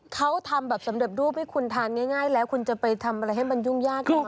เขาทำแบบสำเร็จรูปให้คุณทานง่ายแล้วคุณจะไปทำอะไรให้มันยุ่งยากมาก